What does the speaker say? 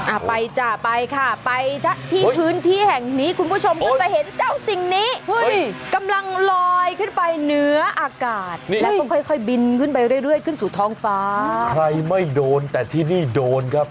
เอาไปจ้ะไปค่ะไปที่พื้นที่แห่งนี้คุณผู้ชมก็จะเห็นเจ้าสิ่งนี้กำลังลอยขึ้นไปเหนืออากาศแล้วก็ค่อยค่อยบินขึ้นไปเรื่อยเรื่อยขึ้นสู่ท้องฟ้าใครไม่โดนแต่ที่นี่โดนครับ